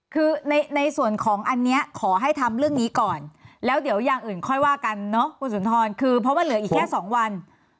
คือในส่วนของอันนี้ขอให้ทำเรื่องนี้ก่อนแล้วเดี๋ยวอย่างอื่นค่อยว่ากันเนาะคุณสุนทรคือเพราะว่าเหลืออีกแค่๒วัน